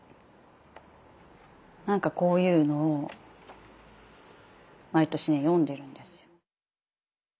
なんかこういうのを毎年ね読んでるんですよ。